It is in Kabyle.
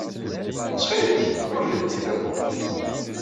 Ttxil-k! Ur leddey tazewwut.